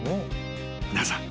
［皆さん。